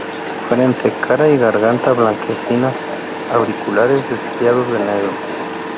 Frente, cara y garganta blanquecinas, auriculares estriados de negro.